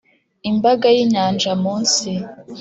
imbaga y'inyanja munsi